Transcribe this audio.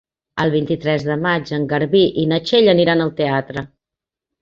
El vint-i-tres de maig en Garbí i na Txell aniran al teatre.